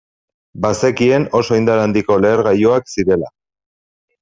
Bazekien oso indar handiko lehergailuak zirela.